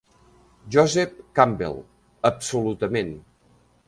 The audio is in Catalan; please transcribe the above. Joseph Campbell: Absolutament.